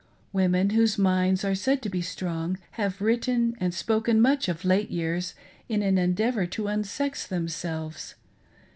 Women whose minds were said to be strong, have written and spoken much of late years in an endeavor to unsex themselves.